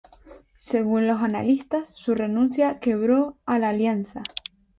Según los analistas, su renuncia quebró a La Alianza.